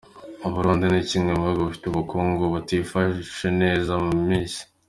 U Burundi ni kimwe mu bihugu bifite ubukungu butifashe neza mu Isi.